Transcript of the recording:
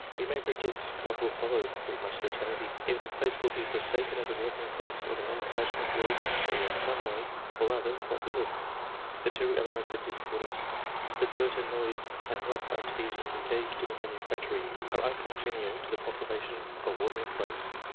We may predict what will follow with much certainty. Either the place will be forsaken as a watering place, or the manufacturer will be in some way or other got rid of. The two elements are discordant. The dirt and noise and rough artisans engaged in the manufactory are uncongenial to the population of a watering place.